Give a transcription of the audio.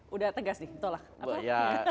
sudah tegas di tolak apa